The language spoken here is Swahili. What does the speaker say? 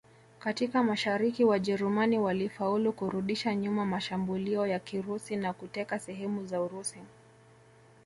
Katika Mashariki Wajerumani walifaulu kurudisha nyuma mashambulio ya Kirusi na kuteka sehemu za Urusi